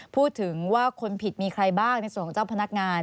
พูดถึงว่าคนผิดมีใครบ้างในส่วนของเจ้าพนักงาน